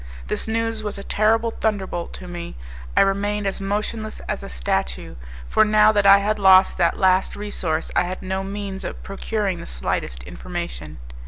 This news was a terrible thunder bolt to me; I remained as motionless as a statue; for now that I had lost that last resource I had no means of procuring the slightest information.